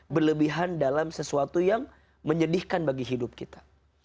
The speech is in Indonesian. berlebihan dalam sesuatu yang menyedihkan bagi hidup kita